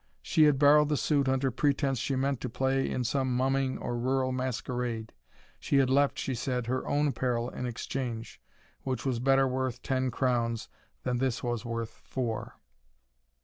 She had borrowed the suit under pretence she meant to play in some mumming or rural masquerade. She had left, she said, her own apparel in exchange, which was better worth ten crowns than this was worth four.